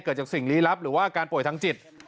เกิดจากสิ่งลี้ลับหรือว่าอาการป่วยทางจิต